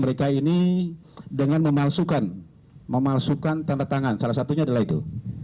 mereka ini dengan memalsukan tanda tangan salah satunya adalah itu